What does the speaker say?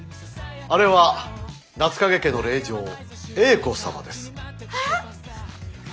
あれは夏影家の令嬢英子様です。え！？